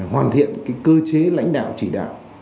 hoàn thiện cơ chế lãnh đạo chỉ đạo